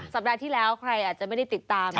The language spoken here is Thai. สัปดาห์ที่แล้วใครอาจจะไม่ได้ติดตาม